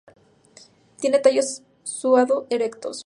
Tiene tallos pseudo erectos.